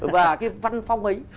và cái văn phong ấy